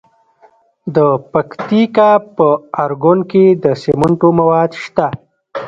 د پکتیکا په ارګون کې د سمنټو مواد شته.